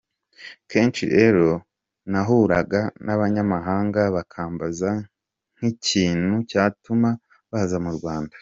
Kenshi rero nahuraga n’abanyamahanga bakambaza nk’ikintu cyatuma baza mu Rwanda.